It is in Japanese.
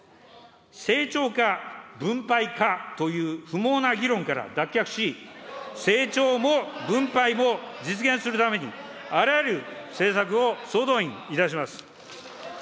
成長か、分配かという不毛な議論から脱却し、成長も分配も実現するために、あらゆる政策を総動員いたします。